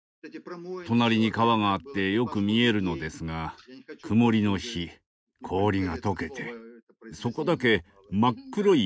隣に川があってよく見えるのですが曇りの日氷がとけてそこだけ真っ黒い穴に見えました。